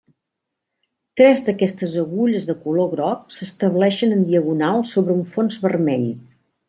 Tres d'aquestes agulles de color groc s'estableixen en diagonal sobre un fons vermell.